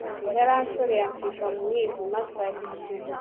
yaranshoreye ancisha mu mwijima atari